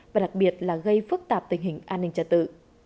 và đặc biệt là gây phức tạp tình hình an ninh trả tự